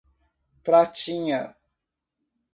Pratinha